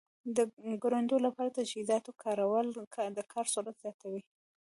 د کروندې لپاره د تجهیزاتو کارول د کار سرعت زیاتوي.